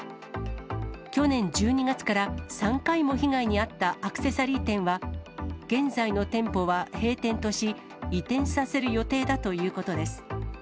去年１２月から３回も被害に遭ったアクセサリー店は、現在の店舗は閉店とし、移転させる予定だということです。